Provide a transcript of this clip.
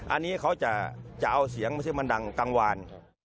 อันนี้เขาจะเอาเสียงมันจะดังกลางวาน